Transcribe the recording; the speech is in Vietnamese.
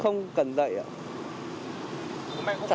không cần dạy ạ